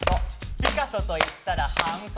ピカソといったら半袖。